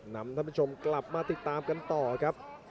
ท่านผู้ชมกลับมาติดตามกันต่อครับ